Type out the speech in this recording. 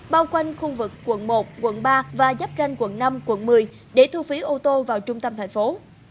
bao quanh khu vực quận một quận ba và giáp ranh quận năm quận một mươi để thu phí ô tô vào trung tâm thành phố